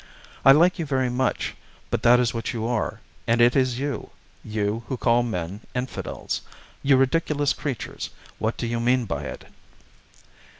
I like you very much, but that is what you are. And it is you you who call men 'Infidels.' You ridiculous creatures, what do you mean by it?"